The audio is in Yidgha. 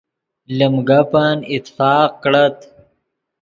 لیم گپن اتفاق کڑت